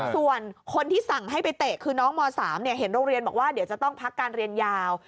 ส่วนคนที่สั่งให้ไปเตะคือน้องม๓เห็นโรงเรียนบอกว่าเดี๋ยวจะต้องพักการเรียนยาว